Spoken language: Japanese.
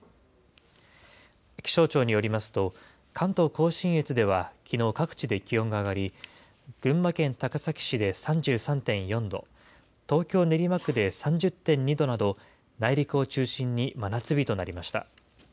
気象庁によりますと、関東甲信越ではきのう、各地で気温が上がり、群馬県高崎市で３３．４度、東京・練馬区で３０．２度など、内陸を中心に真夏日となりました。